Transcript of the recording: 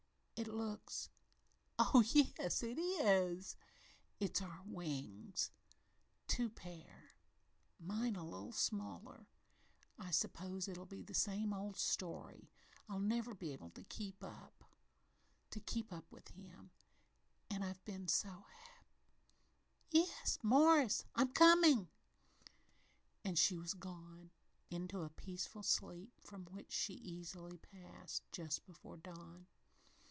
It looks oh yes, it is it's our wings two pairs mine a little smaller. I s'pose it'll be the same old story I'll never be able to keep up to keep up with him an' I've been so hap "Yes, Morris I'm comin' " And she was gone into a peaceful sleep from which she easily passed just before dawn.